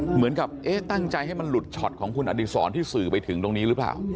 เหมือนกับเอ๊ะตั้งใจให้มันหลุดช็อตของคุณอดีศรที่สื่อไปถึงตรงนี้หรือเปล่า